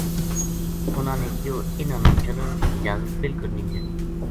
اُنھاں نے کہیو اِنھا ں نا چلن کی اجازت بالکل نیہہ دینی